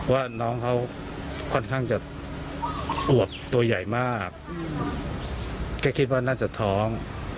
ว่าน้องเขาค่อนข้างจะอวบตัวใหญ่มากแค่คิดว่าน่าจะท้อง